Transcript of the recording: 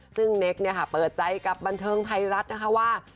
ซึ่งเน็กเนี๊ยะเปิดใจกับบันเทิงไทรัสนะคะว่า